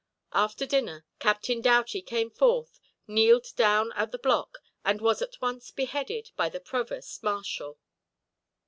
After dinner, Captain Doughty came forth, kneeled down at the block, and was at once beheaded by the provost marshal.